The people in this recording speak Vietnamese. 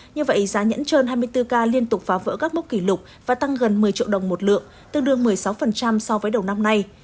như vậy giá nhẫn trơn hai mươi bốn k liên tục phá vỡ các mốc kỷ lục và tăng gần một mươi triệu đồng một lượng tương đương một mươi sáu so với đầu năm nay